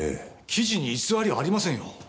記事に偽りはありませんよ。